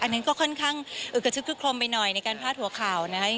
อันนั้นก็ค่อนข้างอึกกระชึกคึกคลมไปหน่อยในการพาดหัวข่าวนะครับ